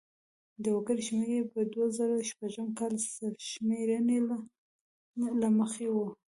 د وګړو شمېر یې په دوه زره شپږم کال سرشمېرنې له مخې و.